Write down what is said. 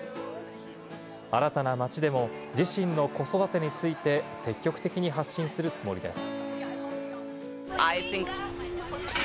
新たな町でも、自身の子育てについて、積極的に発信するつもりです。